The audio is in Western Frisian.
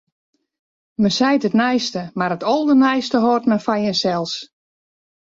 Men seit it neiste, mar it alderneiste hâldt men foar jinsels.